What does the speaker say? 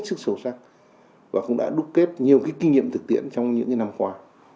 sức sâu sắc và cũng đã đúc kết nhiều cái kinh nghiệm thực tiễn trong những năm qua